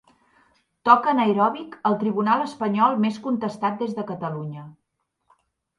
Toc anaeròbic al tribunal espanyol més contestat des de Catalunya.